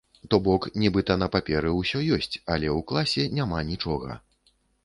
То бок, нібыта на паперы ўсё ёсць, але ў класе няма нічога.